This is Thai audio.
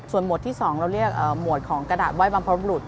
หมวดที่๒เราเรียกหมวดของกระดาษไห้บรรพบรุษ